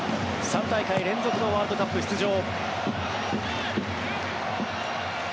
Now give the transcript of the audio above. ３大会連続のワールドカップ出場。